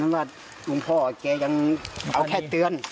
นั่งว่าลวงพ่อเกียวยังเอาแค่เตือน